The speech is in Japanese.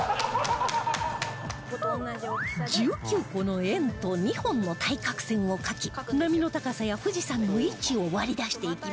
１９個の円と２本の対角線を描き波の高さや富士山の位置を割り出していきます